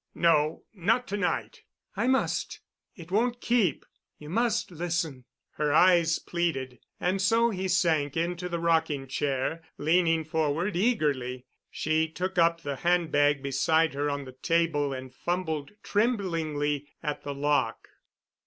"No, not to night." "I must—it won't keep. You must listen." Her eyes pleaded, and so he sank into the rocking chair, leaning forward eagerly. She took up the handbag beside her on the table and fumbled tremblingly at the lock.